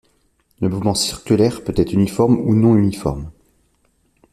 Le mouvement circulaire peut être uniforme ou non-uniforme.